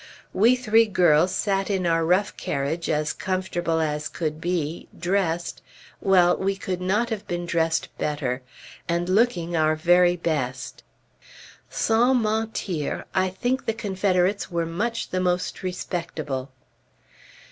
We three girls sat in our rough carriage as comfortable as could be, dressed well, we could not have been dressed better and looking our very best. Sans mentir, I think the Confederates were much the most respectable.